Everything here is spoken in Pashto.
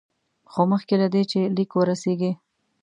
خو مخکې له دې چې لیک ورسیږي.